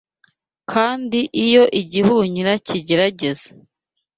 kandi iyo igihunyira kigerageza